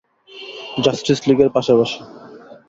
Justice লীগের পাশাপাশি।